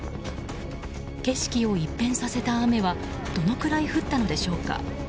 景色を一変させた雨はどのくらい降ったのでしょうか。